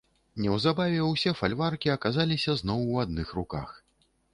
Неўзабаве ўсе фальваркі аказаліся зноў у адных руках.